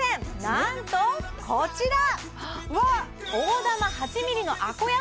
なんとこちら！